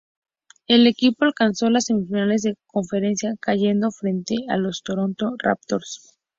El equipo alcanzó las semifinales de conferencia, cayendo frente a los Toronto Raptors.